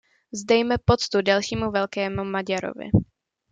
Vzdejme poctu dalšímu velkému Maďarovi.